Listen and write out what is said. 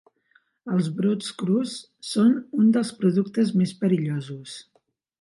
Els brots crus són un dels productes més perillosos.